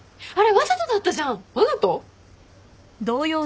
わざと？